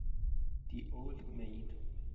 The Old Maid